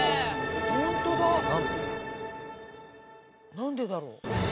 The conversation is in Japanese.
なんでだろう？